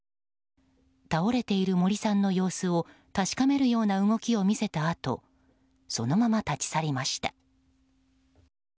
倒れている森さんの様子を確かめるような動きを見せたあとそのまま立ち去りました。